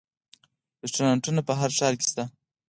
رستورانتونه په هر ښار کې شته